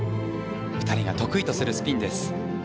２人が得意とするスピンです。